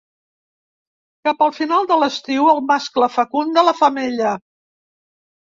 Cap al final de l'estiu el mascle fecunda la femella.